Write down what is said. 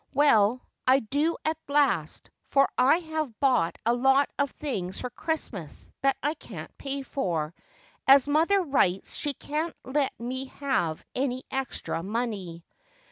Well, I do at last, for I have bought a lot of things for Christmas that I can't pay for, as mother writes she can't let me have any extra money."